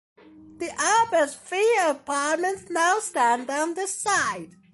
The Ebbets Field Apartments now stand on the site.